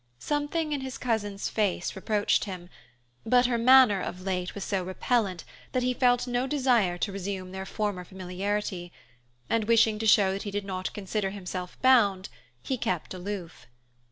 Something in his cousin's face reproached him, but her manner of late was so repellent that he felt no desire to resume their former familiarity, and, wishing to show that he did not consider himself bound, he kept aloof.